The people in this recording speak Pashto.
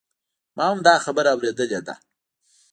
ما هم دا خبره اوریدلې ده